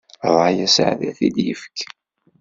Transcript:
Ṛṛay asaεdi ad t-id-ifk.